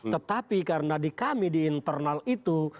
tetapi karena di kami di internal itu